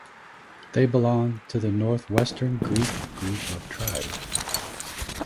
They belonged to the northwestern Greek group of tribes.